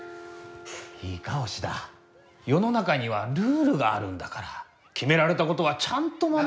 いいか押田よのなかにはルールがあるんだからきめられたことはちゃんとまもらな。